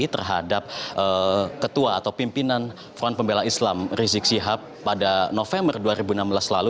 terhadap ketua atau pimpinan front pembela islam rizik sihab pada november dua ribu enam belas lalu